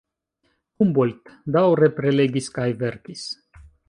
Humboldt daŭre prelegis kaj verkis.